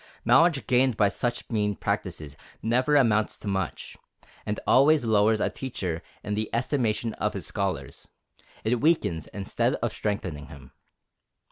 Knowledge gained by such mean practices never amounts to much, and always lowers a teacher in the estimation of his scholars; it weakens instead of strengthening him.